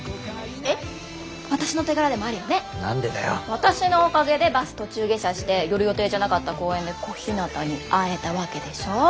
私のおかげでバス途中下車して寄る予定じゃなかった公園で小日向に会えたわけでしょ？